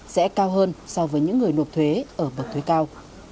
sẽ cao hơn so với những người nộp thuế ở bậc thuế cao